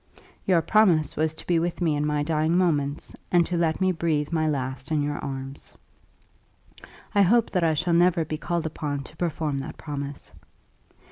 "Your promise was to be with me in my dying moments, and to let me breathe my last in your arms." "I hope that I shall never be called upon to perform that promise."